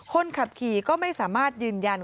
คนขับขี่ก็ไม่สามารถยืนยัน